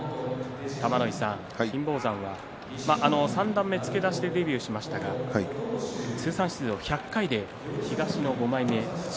金峰山は三段目付け出しでデビューしましたが通算出場１００回で東の５枚目。